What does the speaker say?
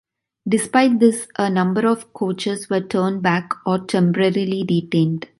Despite this a number of coaches were turned back or temporarily detained.